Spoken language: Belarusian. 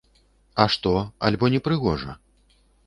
А што, альбо не прыгожа?